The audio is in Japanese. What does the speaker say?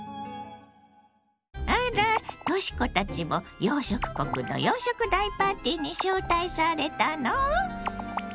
あらとし子たちも洋食国の洋食大パーティーに招待されたの？